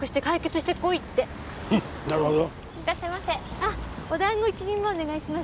あお団子一人前お願いします。